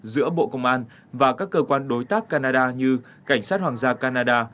giữa bộ công an và các cơ quan đối tác canada như cảnh sát hoàng gia canada